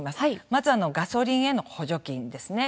まず、ガソリンへの補助金ですね。